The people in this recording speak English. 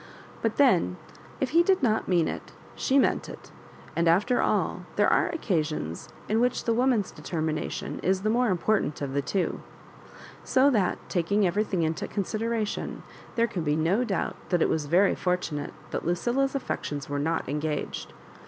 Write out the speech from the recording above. But then if he did not mean it she meant it; and, ailer all, ther^ afo occasion^ \b whi^h the woman's determination is tLe more important of. the twa So that, taking everything into con sideration, there can be no doubt that it was very fortunate that Lucilla's affections were not engaged.